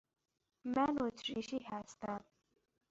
من اتریشی هستم.